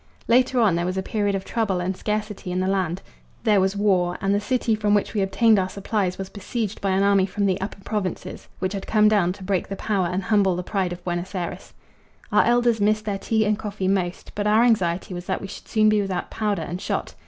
Later on there was a period of trouble and scarcity in the land. There was war, and the city from which we obtained our supplies was besieged by an army from the "upper provinces" which had come down to break the power and humble the pride of Buenos Ayres. Our elders missed their tea and coffee most, but our anxiety was that we should soon be without powder and shot.